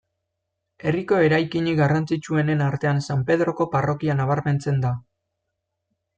Herriko eraikinik garrantzitsuenen artean San Pedroko parrokia nabarmentzen da.